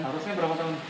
harusnya berapa tahun